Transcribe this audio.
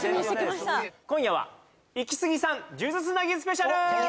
今夜はイキスギさん数珠繋ぎスペシャル！